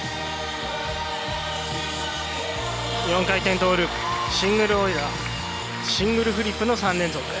４回転トーループシングルオイラーシングルフリップの３連続。